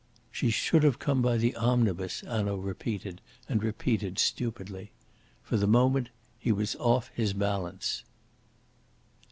"She should have come by the omnibus," Hanaud repeated and repeated stupidly. For the moment he was off his balance.